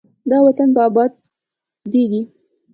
دا وطن به ابادیږي.